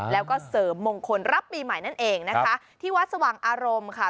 แล้วก็เสริมมงคลรับปีใหม่นั่นเองนะคะที่วัดสว่างอารมณ์ค่ะ